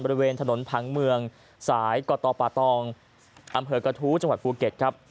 บริเวณถนนผังเมืองสายกตป่าตองอำเภอกระทู้จังหวัดภูเก็ตครับ